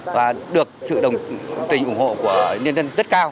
và được sự đồng tình ủng hộ của nhân dân rất cao